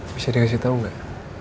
bisa dikasih tau nggak